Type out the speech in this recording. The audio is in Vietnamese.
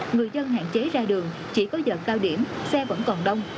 người dân hạn chế ra đường chỉ có giờ cao điểm xe vẫn còn đông